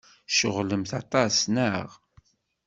Tceɣlemt aṭas, naɣ?